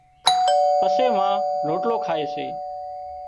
پسي ما روٽلو کائي سي